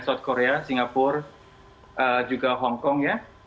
south korea singapura juga hongkong ya